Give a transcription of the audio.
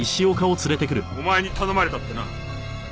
お前に頼まれたってな。